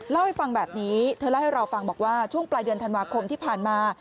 เล่าให้ฟังแบบนี้เธอเล่าให้เราฟังบอกว่าช่วงปลายเดือนธันวาคมที่ผ่านมา